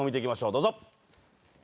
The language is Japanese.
どうぞ。